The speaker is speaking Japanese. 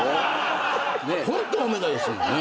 ホント褒めないですもんね。